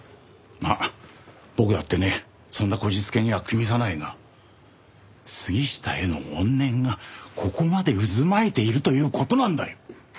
まあ僕だってねそんなこじつけには与さないが杉下への怨念がここまで渦巻いているという事なんだよ。